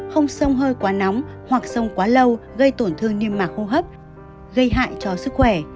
không sông hơi quá nóng hoặc sông quá lâu gây tổn thương niêm mạc hô hấp gây hại cho sức khỏe